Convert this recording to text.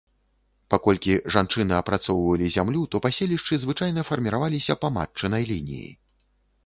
Паколькі жанчыны апрацоўвалі зямлю, то паселішчы звычайна фарміраваліся па матчынай лініі.